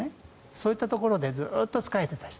そういったところでずっと仕えていた人。